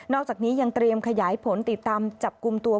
อกจากนี้ยังเตรียมขยายผลติดตามจับกลุ่มตัว